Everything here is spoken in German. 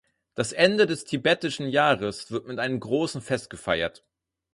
Das Ende des tibetischen Jahres wird mit einem großen Fest gefeiert.